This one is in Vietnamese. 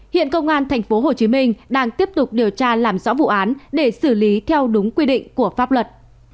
hiện công an tp hcm đang tiếp tục điều tra làm rõ vụ án để xử lý theo đúng quy định của pháp luật